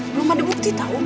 belum ada bukti